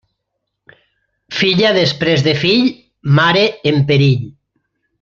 Filla després de fill, mare en perill.